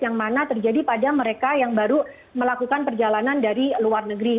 yang mana terjadi pada mereka yang baru melakukan perjalanan dari luar negeri